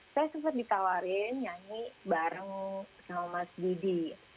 saya sempat ditawarin nyanyi bareng sama mas didi